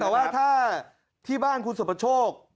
แต่ว่าถ้าที่บ้านคุณสุประโชค